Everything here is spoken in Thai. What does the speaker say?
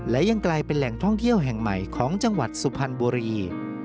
และยังกลายเป็นแหล่งท่องเที่ยวแห่งใหม่ของจังหวัดสุพรรณบุรี